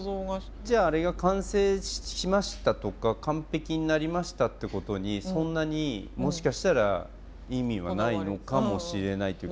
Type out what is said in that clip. じゃああれが完成しましたとか完璧になりましたってことにそんなにもしかしたら意味はないのかもしれないというか。